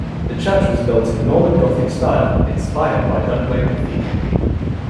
The church was built in Norman Gothic style, inspired by Dunblane Cathedral.